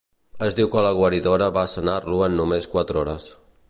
Es diu que la guaridora va sanar-lo en només quatre hores.